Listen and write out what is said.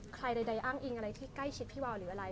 ใครใดอ้างอิงอะไรที่ใกล้ชิดพี่วาวหรืออะไร